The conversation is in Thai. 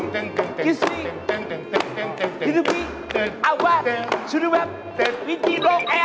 ฮึทำกับตี